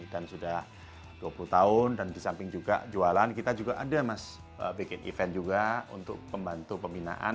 dan sudah dua puluh tahun dan di samping juga jualan kita juga ada mas bikin event juga untuk membantu pembinaan